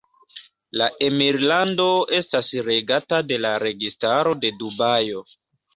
La emirlando estas regata de la Registaro de Dubajo.